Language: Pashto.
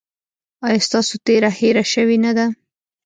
ایا ستاسو تیره هیره شوې نه ده؟